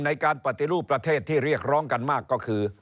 ในการปฏิรูปประเทศที่เรียกร้องกันมากก็คือ